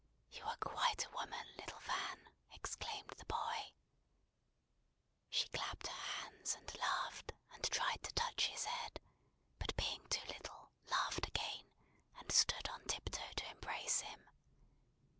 "You are quite a woman, little Fan!" exclaimed the boy. She clapped her hands and laughed, and tried to touch his head; but being too little, laughed again, and stood on tiptoe to embrace him.